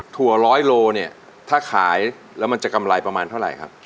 ถั่วร้อยโลเนี่ยถ้าขายแล้วมันจะกำไรประมาณเท่าไหร่ครับ